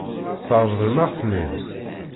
Tṛeḍlem-aɣ-ten-id?